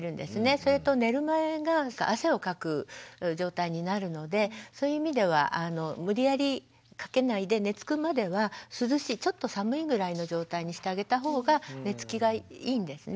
それと寝る前が汗をかく状態になるのでそういう意味では無理やり掛けないで寝つくまではちょっと寒いぐらいの状態にしてあげた方が寝つきがいいんですね。